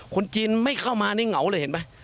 คนจีนไม่เข้ามานี่เหงาเลยเห็นไหม